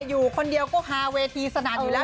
อยู่คนเดียวก็ฮาเวทีสนัดอยู่แล้ว